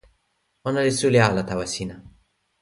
ona li suli ala tawa sina.